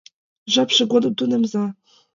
Жапше годым тунемза!